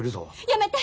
やめて！